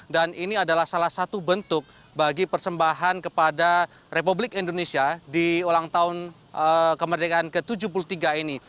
dan ini adalah salah satu bentuk bagi persembahan kepada republik indonesia di ulang tahun kemerdekaan ke tujuh puluh tiga ini